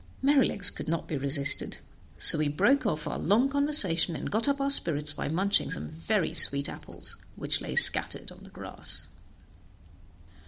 Merrylegs could not be resisted, so we broke off our long conversation, and got up our spirits by munching some very sweet apples which lay scattered on the grass.